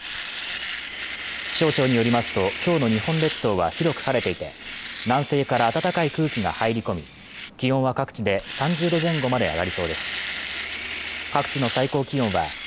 気象庁によりますと、今日の日本列島は広く晴れていて、南西から暖かい空気が入り込み、気温は各地で３０度前後まで上がりそうです。